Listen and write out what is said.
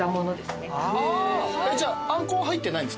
じゃああんこは入ってないんですか？